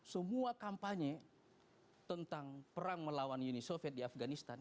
semua kampanye tentang perang melawan uni soviet di afganistan